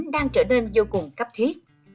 đang trở nên vô cùng cấp thiết